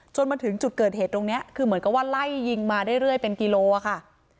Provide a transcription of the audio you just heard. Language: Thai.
มาถึงจุดเกิดเหตุตรงนี้คือเหมือนกับว่าไล่ยิงมาเรื่อยเป็นกิโลอะค่ะ